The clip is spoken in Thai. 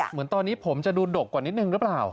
เหมือนตอนนี้ผมจะดูดกกว่านิดนึงหรือเปล่า